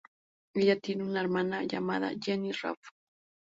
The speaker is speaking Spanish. Ella tiene una hermana llamada Jenny Raff.